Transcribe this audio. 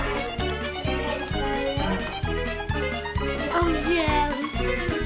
おいしい！